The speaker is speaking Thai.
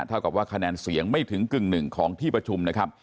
เท่ากับว่าคะแนนเสียงไม่ถึงกึ่งหนึ่งของที่ประชุมนะครับ